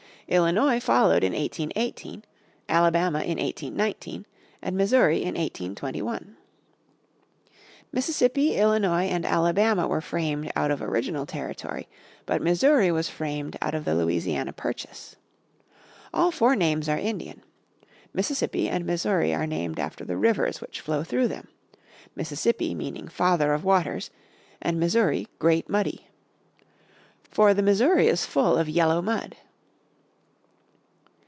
Illinois followed in 1818, Alabama in 1819, and Missouri in 1821. Mississippi, Illinois and Alabama were framed out of original territory but Missouri was framed out of the Louisiana Purchase. All four names are Indian. Mississippi and Missouri are named after the rivers which flow through them, Mississippi meaning Father of Waters and Missouri Great Muddy. For the Missouri is full of yellow mud.